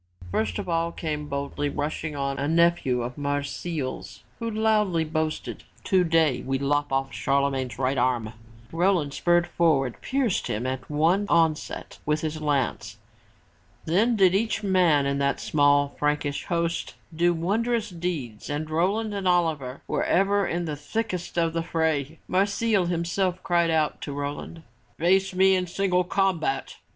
First of all came boldly rushing on, a nephew of Marsile's who loudly boasted. "Today we lop off Charlemagne's right arm!" Roland, spurring forward, pierced him at one onset with his lance. Then did each man in that small Frankish host do wondrous deeds and Roland and Oliver were ever in the thickest of the fray. Marsile himself cried out to Roland, "Face me in single combat!"